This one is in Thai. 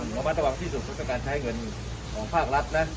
ระมัดระวังที่สุดก็คือการใช้เงินของภาครัฐนะ